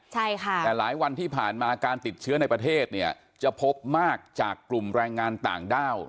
ใช่ค่ะแต่หลายวันที่ผ่านมาการติดเชื้อในประเทศเนี่ยจะพบมากจากกลุ่มแรงงานต่างด้าว